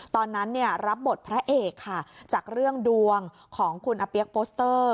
ตอนนั้นเนี่ยรับบทพระเอกค่ะจากเรื่องดวงของคุณอาเปี๊ยกโปสเตอร์